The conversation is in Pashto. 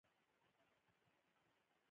غوږونه څک نيولي وو او سترګې مې نمجنې وې.